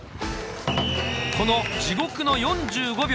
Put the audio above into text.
この地獄の４５秒！